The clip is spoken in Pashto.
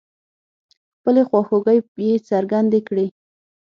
خپلې خواخوږۍ يې څرګندې کړې.